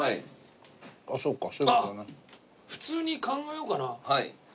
あっ普通に考えようかな。